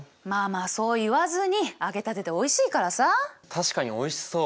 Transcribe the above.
たしかにおいしそう。